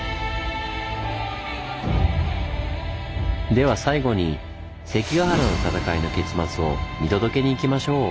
では最後に関ケ原の戦いの結末を見届けに行きましょう。